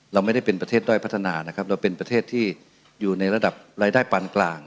เราไม่ได้เป็นประเทศด้อยพัฒนานะครับเราเป็นประเทศที่อยู่ในระดับรายได้ปานกลาง